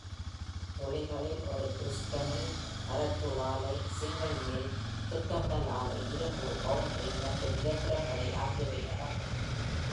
தொழில்களில் ஒரு கிரிஸ்ட்மில், மரத்தூள் ஆலை, சிங்கிள் மில், திட்டமிடல் ஆலை, இரும்பு ஃபவுண்டரி மற்றும் இயந்திர கடை ஆகியவை அடங்கும்.